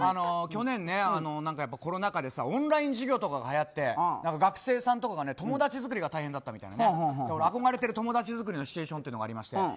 去年コロナ禍でオンライン授業とかはやって学生さんとかが友達作りが大変だったみたいで憧れてる友達作りのシチュエーションありまして。